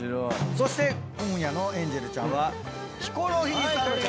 そして今夜のエンジェルちゃんはヒコロヒーさんでーす！